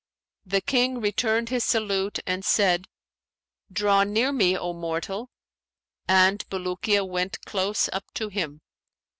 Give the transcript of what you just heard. The King returned his salute and said, 'Draw near me, O mortal!' and Bulukiya went close up to him.